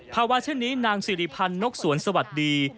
เช่นนี้นางสิริพันธ์นกสวนสวัสดี